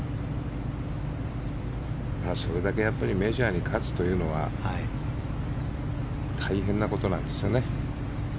それだけやっぱりメジャーに勝つというのは大変なことなんですよね。